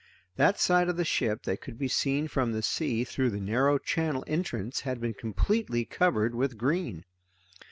That side of the ship that could be seen from the sea through the narrow channel entrance had been completely covered with green.